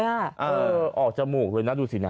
อือออออออกจมูกคุณนะดูสินะ